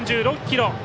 １４６キロ！